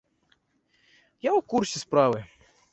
Я ў курсе справы.